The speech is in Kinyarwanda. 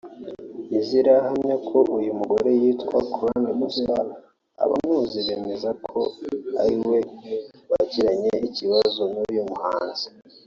ntizirahamya ko uyu mugore yitwa Curran gusa abamuzi bemeza ko ari we wagiranye ikibazo n’uyu muhanzi